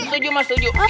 tujuh mas tujuh